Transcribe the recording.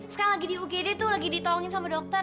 sekarang lagi di ugd itu lagi ditolongin sama dokter